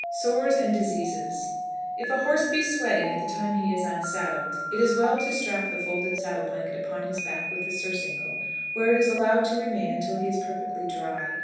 SORES AND DISEASES. If a horse be sweating at the time he is unsaddled, it is well to strap the folded saddle blanket upon his back with the surcingle, where it is allowed to remain until he is perfectly dry.